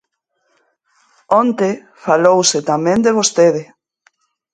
Onte falouse tamén de vostede.